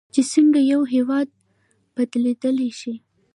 چې څنګه یو هیواد بدلیدلی شي.